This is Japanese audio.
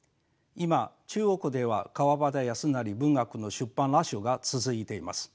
今中国では川端康成文学の出版ラッシュが続いています。